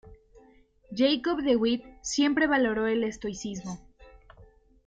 Jacob de Witt siempre valoró el estoicismo.